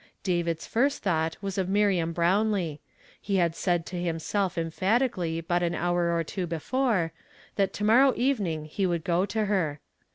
David's first thought was of Miriam Brownlee. He had said to himself emphatically but an hour or two before, that to morrow evening he would go to her.